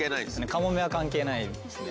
カモメは関係ないですね。